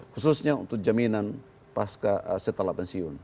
khususnya untuk jaminan pasca setelah pensiun